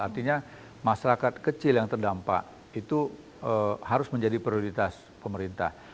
artinya masyarakat kecil yang terdampak itu harus menjadi prioritas pemerintah